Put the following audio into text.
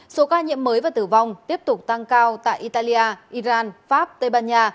số ca nhiễm mới và tử vong tiếp tục tăng cao tại italia iran pháp tây ban nha